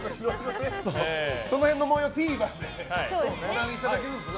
その辺の模様はＴＶｅｒでご覧いただけるんですね。